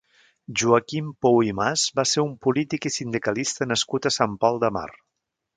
Joaquim Pou i Mas va ser un polític i sindicalista nascut a Sant Pol de Mar.